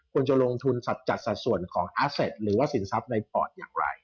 ควรจะลงทุนจัดสัดส่วนของอาเซตหรือว่าสินทรัพย์ในปอร์ตอย่างไร